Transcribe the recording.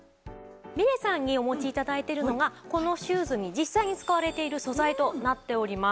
みれさんにお持ち頂いているのがこのシューズに実際に使われている素材となっております。